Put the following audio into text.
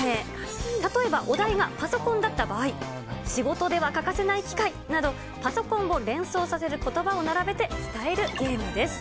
例えば、お題がパソコンだった場合、仕事では欠かせない機械など、パソコンを連想させることばを並べて、伝えるゲームです。